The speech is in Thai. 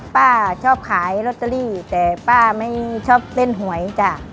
ป้าชอบขายลอตเตอรี่แต่ป้าไม่ชอบเต้นหวยจ้ะ